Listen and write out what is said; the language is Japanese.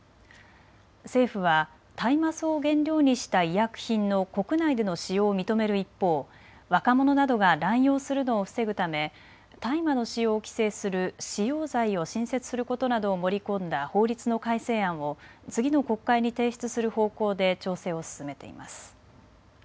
政府は大麻草を原料にした医薬品の国内での使用を認める一方、若者などが乱用するのを防ぐため大麻の使用を規制する使用罪を新設することなどを盛り込んだ法律の改正案を次の国会に提出する方向で調整を進めています。